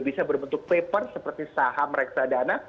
bisa berbentuk paper seperti saham reksadana